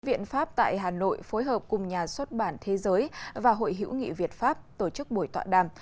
viện pháp tại hà nội phối hợp cùng nhà xuất bản thế giới và hội hữu nghị việt pháp tổ chức buổi tọa đàm